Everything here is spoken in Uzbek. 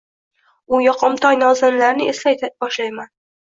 U yoqimtoy nozaninlarni eslay boshlayman